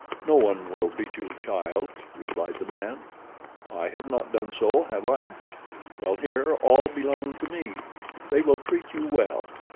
"No one will beat you, child," replied the man. "I have not done so, have I? Well, here all belong to me. They will treat you well.